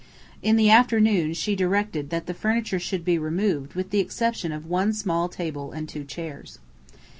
In the afternoon she directed that the furniture should be removed with the exception of one small table and two chairs.